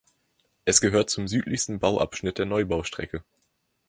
Es gehört zum südlichsten Bauabschnitt der Neubaustrecke.